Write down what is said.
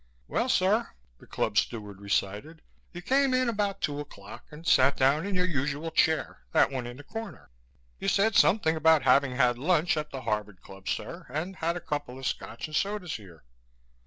"Well, sir," the Club steward recited. "You came in about two o'clock and sat down in your usual chair that one in the corner. You said something about having had lunch at the Harvard Club, sir, and had a couple of Scotch and sodas here."